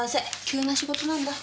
急な仕事なんだ。